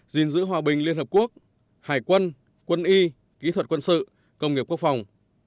gìn giữ hòa bình liên hợp quốc hải quân quân y kỹ thuật quân sự công nghiệp quốc phòng